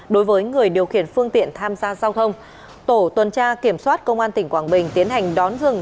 đối với người điều khiển phương tiện tham gia giao thông tổ tuần tra kiểm soát công an tỉnh quảng bình tiến hành đón dừng